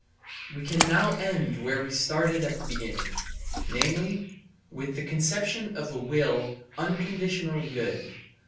We can now end where we started at the beginning, namely, with the conception of a will unconditionally good.